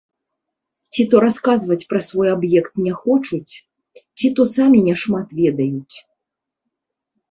Ці то расказваць пра свой аб'ект не хочуць, ці то самі няшмат ведаюць.